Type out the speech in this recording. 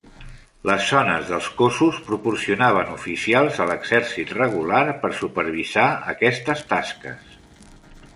Les zones dels cossos proporcionaven oficials a l'exèrcit regular per supervisar aquestes tasques.